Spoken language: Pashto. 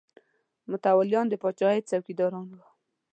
متولیان د پاچاهۍ څوکیداران وو.